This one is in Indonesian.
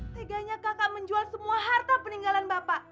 teganya kakak menjual semua harta peninggalan bapak